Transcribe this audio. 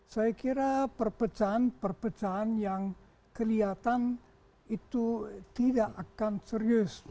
saya kira perpecahan perpecahan yang kelihatan itu tidak akan serius